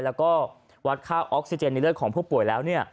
แล้วก็วัดค่าออกซิเจนในเลือดของผู้ป่วยแล้ว